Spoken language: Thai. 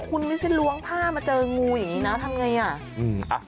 คุณไม่ใช่ล้วงผ้ามาเจองูอย่างนี้นะทำไงอ่ะ